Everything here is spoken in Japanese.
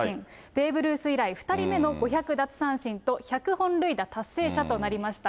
ベーブ・ルース以来、２人目の５００奪三振と１００本塁打達成者となりました。